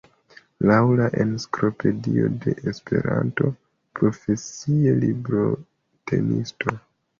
Laŭ la Enciklopedio de Esperanto, «Profesie librotenisto.